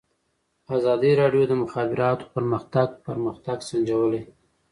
ازادي راډیو د د مخابراتو پرمختګ پرمختګ سنجولی.